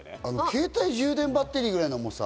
携帯充電バッテリーぐらいの重さ？